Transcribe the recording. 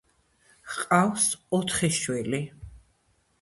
ჰყავს ოთხი შვილი.